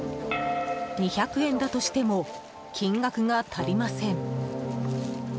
２００円だとしても金額が足りません。